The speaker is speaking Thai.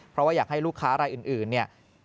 เพราะว่าอยากให้ลูกค้ารายอื่นเนี่ย